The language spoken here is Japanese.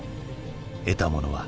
得たものは？